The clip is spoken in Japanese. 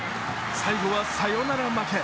最後はサヨナラ負け。